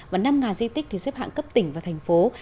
và năm di tích thì xếp hạng cấp tỉnh và thành phố